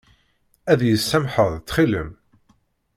Ad iyi-tsamḥeḍ ttxil-m?